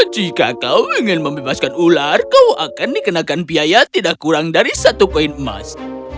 jika kau ingin membebaskan ular kau akan dikenakan biaya tidak kurang dari satu koin emas